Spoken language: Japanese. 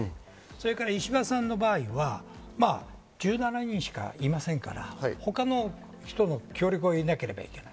また石破さんは１７人しかいませんから、他の人の協力を得なければいけない。